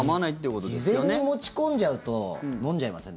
事前に持ち込んじゃうと飲んじゃいません？